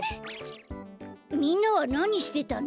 みんなはなにしてたの？